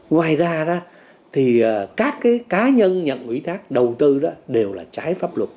ngoài ra thì các cái cá nhân nhận ủy thác đầu tư đó đều là trái pháp luật